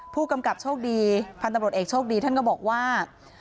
ผู้กำกับโชคดีพันธุ์ตำรวจเอกโชคดีท่านก็บอกว่า